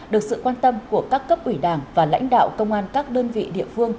được sự quan tâm của các cấp ủy đảng và lãnh đạo công an các đơn vị địa phương